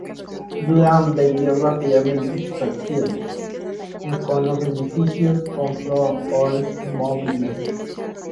Durant vendió rápidamente sus acciones, y con los beneficios compró Oldsmobile.